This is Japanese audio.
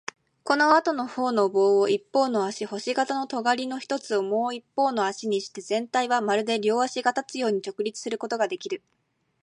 このあとのほうの棒を一方の足、星形のとがりの一つをもう一方の足にして、全体はまるで両足で立つように直立することができる。